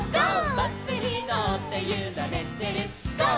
「バスにのってゆられてるゴー！